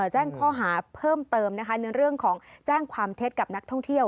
แจ้งข้อหาเพิ่มเติมนะคะในเรื่องของแจ้งความเท็จกับนักท่องเที่ยว